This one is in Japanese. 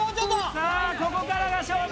さあここからが勝負。